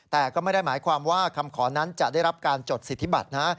แต่ก็ไม่ได้หมายความว่าคำขอนั้นจะได้รับการจดสิทธิบัตรนะ